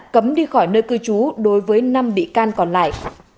cấm đi khỏi nơi cư trú đối với năm bị can còn lại